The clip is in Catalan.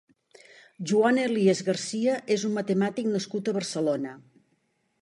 Joan Elias Garcia és un matemàtic nascut a Barcelona.